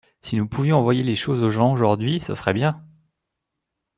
Si nous pouvions envoyer les choses aux gens aujourd’hui ce serait bien.